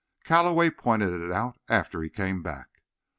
Calloway pointed it out after he came back.